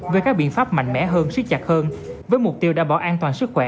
về các biện pháp mạnh mẽ hơn siết chặt hơn với mục tiêu đảm bảo an toàn sức khỏe